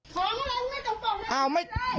ของอะไรคุณให้ตรงปก